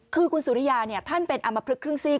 คือคุณสุริยาท่านเป็นอำมพลึกครึ่งซีก